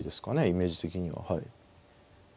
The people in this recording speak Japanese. イメージ的には。